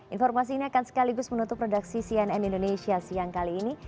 informasi ini akan sekaligus menutup redaksi sian and indonesia siang kali ini